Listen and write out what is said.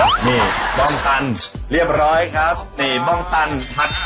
พี่เห็นแม่ใส่ซีน้อยเยอะคิดว่ามันจะต้องน้ำแต่ญิ๊ยะ